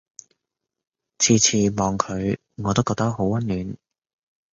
次次望佢我都覺得好溫暖